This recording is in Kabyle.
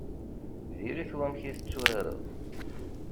Diri-t wamek i tetturareḍ.